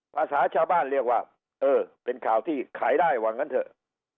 ภาษาชาวบ้านเรียกว่าเออเป็นข่าวที่ขายได้ว่างั้นเถอะ